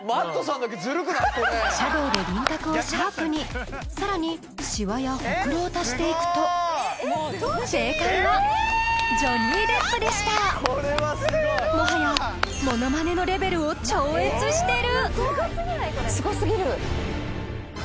そうねシャドーで輪郭をシャープにさらにしわやほくろを足していくと正解はジョニー・デップでしたもはやものまねのレベルを超越してる！